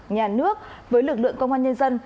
nhà nước với lực lượng công an nhân dân